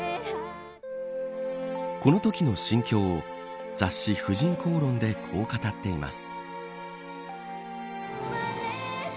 このときの心境を雑誌、婦人公論でこう語っています。